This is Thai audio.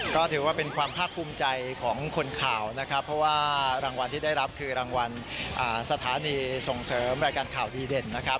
ก็ถือว่าเป็นความภาคภูมิใจของคนข่าวนะครับเพราะว่ารางวัลที่ได้รับคือรางวัลสถานีส่งเสริมรายการข่าวดีเด่นนะครับ